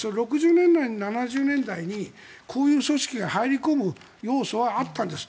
６０年代、７０年代にこういう組織が入り込む要素はあったんです。